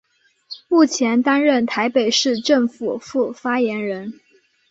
目前担任台北市政府副发言人。